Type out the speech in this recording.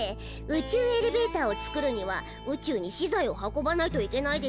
宇宙エレベーターを作るには宇宙に資材を運ばないといけないでしょ。